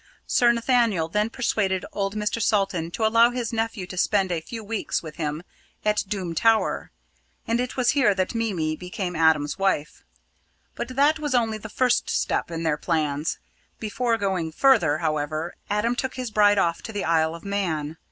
Sir Nathaniel then persuaded old Mr. Salton to allow his nephew to spend a few weeks with him at Doom Tower, and it was here that Mimi became Adam's wife. But that was only the first step in their plans; before going further, however, Adam took his bride off to the Isle of Man.